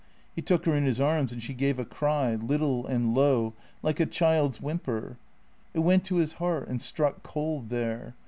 He took her in his arms and she gave a cry, little and low, like a child's whimper. It went to his heart and struck cold there.